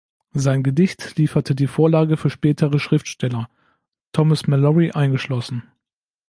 Sein Gedicht lieferte die Vorlage für spätere Schriftsteller, Thomas Malory eingeschlossen.